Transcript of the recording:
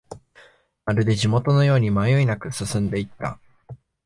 まるで地元のように迷いなく進んでいった